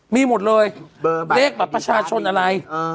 มีหมดเลยเลขบัตรประชาชนอะไร